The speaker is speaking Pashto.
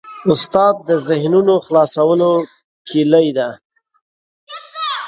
استاد د ذهنونو خلاصولو کلۍ ده.